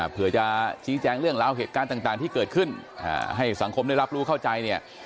เพื่อจะชี้แจงเรื่องราวเหตุการณ์ต่างที่เกิดขึ้นให้สังคมได้รับรู้เข้าใจเนี่ย